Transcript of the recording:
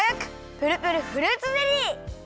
プルプルフルーツゼリー！